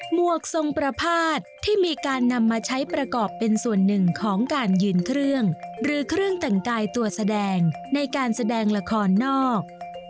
วกทรงประพาทที่มีการนำมาใช้ประกอบเป็นส่วนหนึ่งของการยืนเครื่องหรือเครื่องแต่งกายตัวแสดงในการแสดงละครนอก